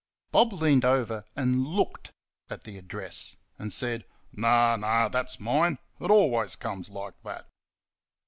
Bob leaned over and LOOKED at the address, and said: "No, no, that's mine; it always comes like that."